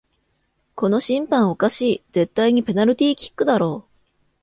この審判おかしい、絶対にペナルティーキックだろ